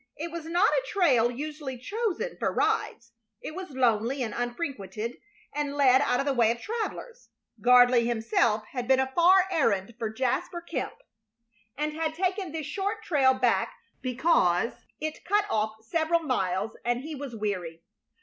It was not a trail usually chosen for rides. It was lonely and unfrequented, and led out of the way of travelers. Gardley himself had been a far errand for Jasper Kemp, and had taken this short trail back because it cut off several miles and he was weary.